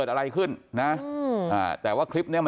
ก็กลายเป็นว่าติดต่อพี่น้องคู่นี้ไม่ได้เลยค่ะ